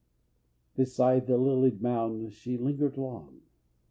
Beside the lilied mound she lingered long.